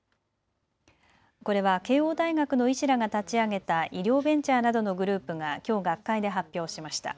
これは慶応大学の医師らが立ち上げた医療ベンチャーなどのグループがきょう学会で発表しました。